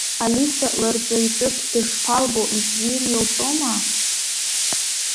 Алиса лырҵаҩ ҿыц дышԥалбо, ибзианы илҵома?